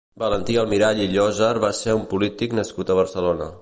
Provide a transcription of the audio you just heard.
Valentí Almirall i Llozer va ser un polític nascut a Barcelona.